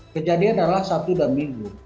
kejadian adalah satu dan minggu